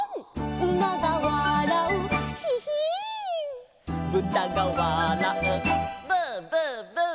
「うまがわらうヒヒーン」「ぶたがわらうブーブーブー」